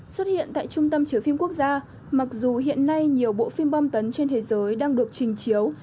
xuất hiện tại trung tâm chiếu phim quốc gia mặc dù hiện nay nhiều bộ phim bom tấn trên thế giới đang được trình chiếu